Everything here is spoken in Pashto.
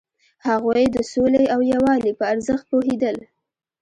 هغوی د سولې او یووالي په ارزښت پوهیدل.